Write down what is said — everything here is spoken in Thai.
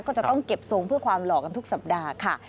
ก็จะต้องเก็บทรงเพื่อความหล่อกันทุกสัปดาห์ค่ะ